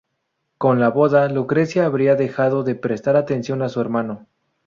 Con la boda, Lucrecia habría dejado de prestar atención a su hermano.